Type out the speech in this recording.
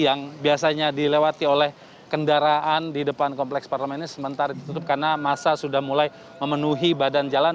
yang biasanya dilewati oleh kendaraan di depan kompleks parlemen ini sementara ditutup karena masa sudah mulai memenuhi badan jalan